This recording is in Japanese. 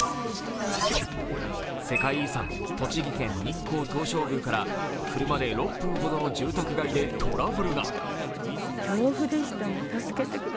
世界遺産・栃木県日光東照宮から車で６分ほどの住宅街でトラブルが。